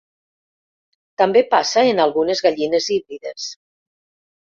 També passa en algunes gallines híbrides.